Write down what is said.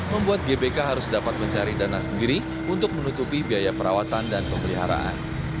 membuat gbk harus dapat mencari dana sendiri untuk menutupi biaya perawatan dan pemeliharaan